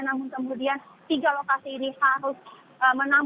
namun kemudian tiga lokasi ini harus menampung